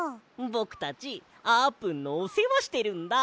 ぼくたちあーぷんのおせわしてるんだ。